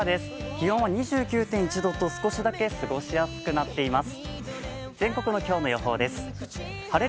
気温は２９．１度と少しだけ過ごしやすくなっています。